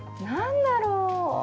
何だろう？